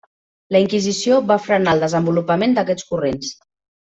La Inquisició va frenar el desenvolupament d'aquests corrents.